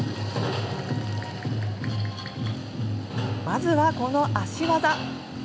まずは、この脚技。